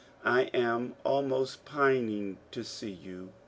I am almost pining to see you.